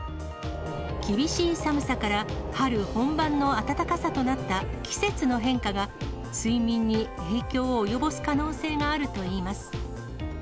厳しい寒さから春本番の暖かさとなった季節の変化が、睡眠に影響を及ぼす可能性があるといいます。